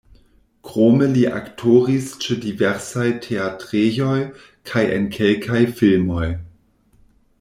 Krome li aktoris ĉe diversaj teatrejoj kaj en kelkaj filmoj.